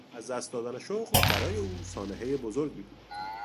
از دست دادن شغل برای او سانحهی بزرگی بود.